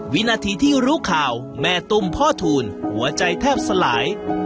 วินาทีที่รู้ข่าวแม่ตุ้มพ่อทูลหัวใจแทบสลาย